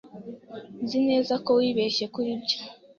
Nzi neza ko wibeshye kuri ibyo.